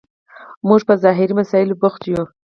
موږ په ظاهري مسایلو بوخت یو.